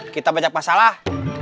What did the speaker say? kita banyak masalah